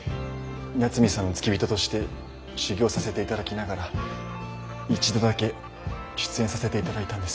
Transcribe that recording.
八海さんの付き人として修業させて頂きながら一度だけ出演させて頂いたんです。